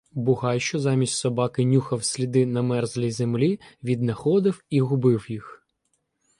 Бугай, що замість собаки "нюхав" сліди на мерзлій землі, віднаходив і губив їх.